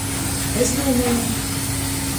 Es dūmoju.